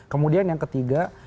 kemudian yang ketiga